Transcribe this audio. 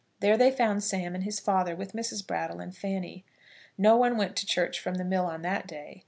There they found Sam and his father, with Mrs. Brattle and Fanny. No one went to the church from the mill on that day.